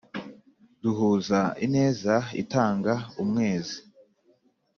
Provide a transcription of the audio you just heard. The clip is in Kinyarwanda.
Duhuza ineza itanga umwezi